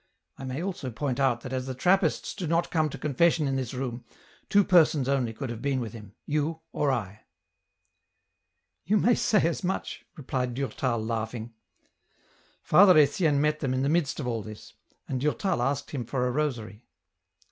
I may also point out that as the Trappists do not come to confession in this room, two persons only could have been with him, you or I." " You may say as much," replied Durtal, laughing. Father Etienne met them in the midst of all this, and Durtal asked him for a rosary.